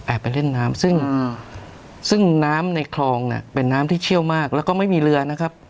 ไปเล่นน้ำซึ่งซึ่งน้ำในคลองเนี่ยเป็นน้ำที่เชี่ยวมากแล้วก็ไม่มีเรือนะครับ